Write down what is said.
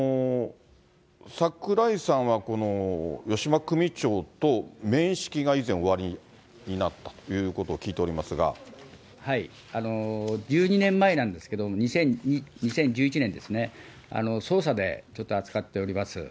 櫻井さんは余嶋組長と面識が以前、おありになったということ１２年前なんですけども、２０１１年ですね、捜査でちょっと扱っております。